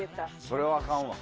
それはあかんは。